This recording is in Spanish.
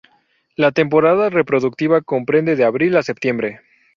La temporada reproductiva comprende de abril a septiembre.